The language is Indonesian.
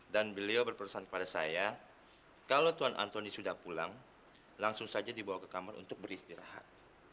dan beliau berpesan kepada saya kalau tuan antoni sudah pulang langsung saja dibawa ke kamar untuk beristirahat